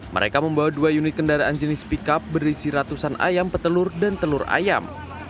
mereka membawa dua unit kendaraan jenis pickup berisi ratusan ayam petelur dan telur ayam